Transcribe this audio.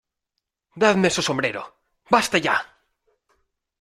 ¡ Dadme su sombrero! ¡ basta ya !